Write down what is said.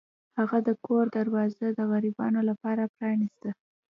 هغه د کور دروازه د غریبانو لپاره پرانیسته.